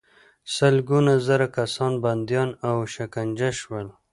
سلګونه زره کسان بندیان او شکنجه شول.